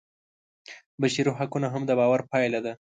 بشري حقونه هم د باور پایله ده.